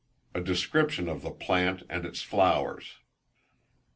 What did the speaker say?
_A Description of the Plant and its Flowers.